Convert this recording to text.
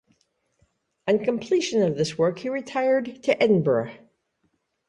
On completion of this work he retired to Edinburgh.